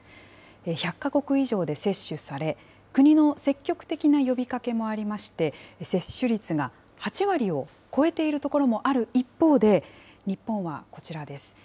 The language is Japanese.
１００か国以上で接種され、国の積極的な呼びかけもありまして、接種率が８割を超えている所もある一方で、日本はこちらです。